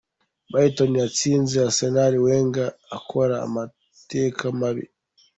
Brighton yatsinze Arsenal Wenger akora amateka mabi.